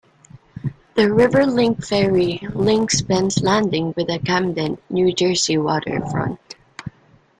The RiverLink Ferry links Penn's Landing with the Camden, New Jersey waterfront.